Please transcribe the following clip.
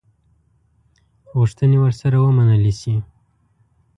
غوښتني ورسره ومنلي شي.